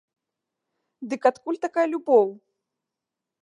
Дык адкуль такая любоў?